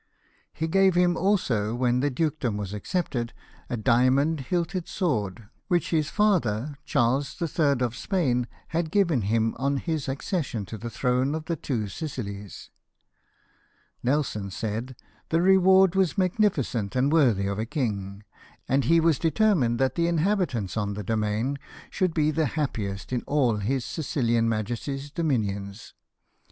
" He gave him also, when the dukedom was accepted, a diamond hilted sword, which his father, Charles III. of Spain, had given him on his accession to the throne of the Two Sicilies. Nelson said, " The reward was magnificent, and worthy of a king, and he was determined that the inhabitants on the domain should be the happiest in all his Sicilian Majesty's dominions.